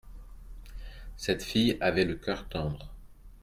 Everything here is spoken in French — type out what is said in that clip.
cette fille avait le cœur tendre.